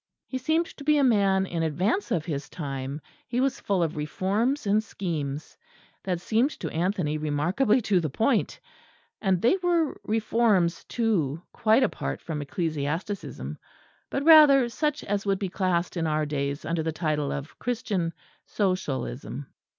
He seemed to be a man in advance of his time; he was full of reforms and schemes that seemed to Anthony remarkably to the point; and they were reforms too quite apart from ecclesiasticism, but rather such as would be classed in our days under the title of Christian Socialism.